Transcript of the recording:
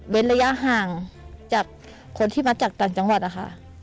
ระยะห่างจากคนที่มาจากต่างจังหวัดนะคะ